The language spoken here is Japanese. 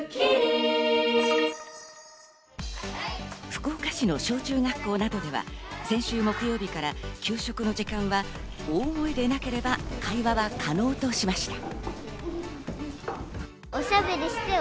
福岡市の小中学校などでは先週木曜日から給食の時間は大声でなければ会話は可能としました。